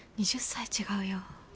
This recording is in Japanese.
２０歳違うよ。